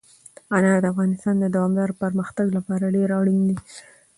انار د افغانستان د دوامداره پرمختګ لپاره ډېر اړین دي.